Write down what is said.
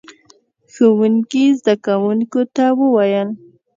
ښوونکي زده کوونکو ته وويل: